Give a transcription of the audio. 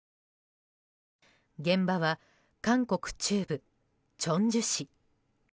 現場は韓国中部チョンジュ市。